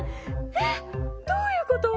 えっどういうこと！？